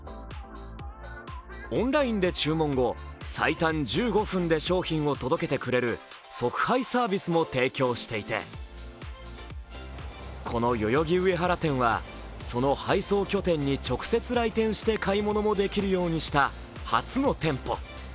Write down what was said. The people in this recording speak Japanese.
オンラインで注文後最短１５分で商品を届けてくれる即配サービスも提供していてこの代々木上原店はその配送拠点に直接来店して買い物もできるようにした初の店舗。